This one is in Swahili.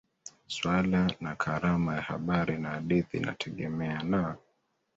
Swala na karama ya habari na hadithi inategemea na